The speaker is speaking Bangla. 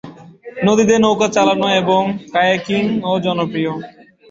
নদীতে নৌকা চালানো এবং কায়াকিংও জনপ্রিয়।